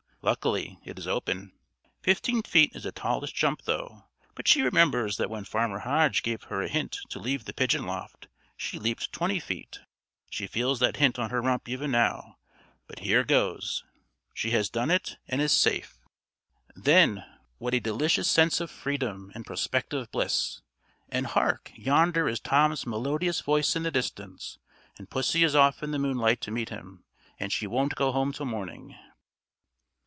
Luckily, it is open. Fifteen feet is a tallish jump though; but she remembers that when Farmer Hodge gave her a hint to leave the pigeon loft, she leaped twenty feet. She feels that hint on her rump even now; but here goes. She has done it, and is safe. Then what a delicious sense of freedom and prospective bliss! And, hark! yonder is Tom's melodious voice in the distance, and pussy is off in the moonlight to meet him, and she "won't go home till morning."